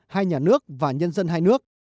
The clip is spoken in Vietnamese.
hai nhà nước và nhân dân hai nước